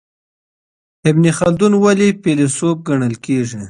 ابن خلدون ولي فیلسوف ګڼل کیږي؟